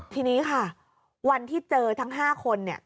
วันนี้ค่ะวันที่เจอทั้ง๕คนเนี่ย